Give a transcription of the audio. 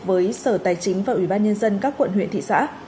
với sở tài chính và ủy ban nhân dân các quận huyện thị xã